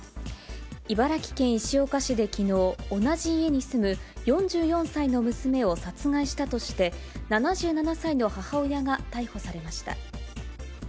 茨城県石岡市できのう、同じ家に住む４４歳の娘を殺害したとして、７７歳の母親が逮捕されました。